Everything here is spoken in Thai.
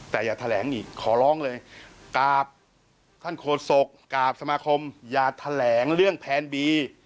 แต่อย่าแถลงอีกขอร้องเลยกราบท่านโฆษกกราบสมาคมอย่าแถลงเรื่องแผนบี